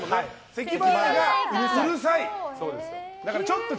せき払いがうるさい。